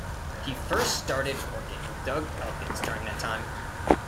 He first started working with Doug Elkins during that time.